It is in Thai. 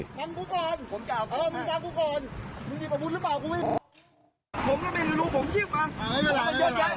ตอนนี้ลุงไมโทษหาลุงอุ้งจังเจน